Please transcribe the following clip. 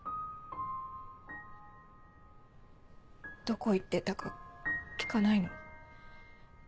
どこ行ってたか聞かないの？